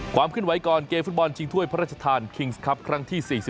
ความขึ้นไหวก่อนเกมฟุตบอลชิงถ้วยพระราชทานคิงส์ครับครั้งที่๔๔